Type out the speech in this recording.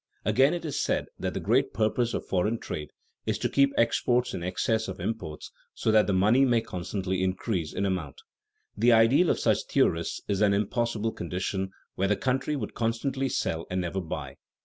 Again it is said that the great purpose of foreign trade is to keep exports in excess of imports so that money may constantly increase in amount. The ideal of such theorists is an impossible condition where the country would constantly sell and never buy.